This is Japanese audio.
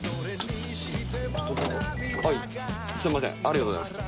はいすみませんありがとうございます。